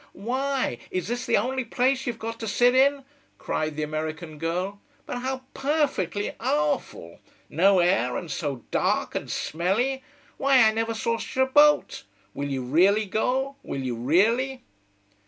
"Why, is this the only place you've got to sit in?" cried the American girl. "But how perfectly awful! No air, and so dark, and smelly. Why I never saw such a boat! Will you really go? Will you really!"